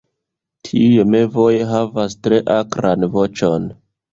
Tiuj mevoj havas tre akran voĉon.